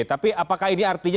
tapi apakah ini artinya